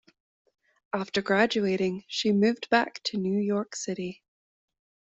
After graduating she moved back to New York City.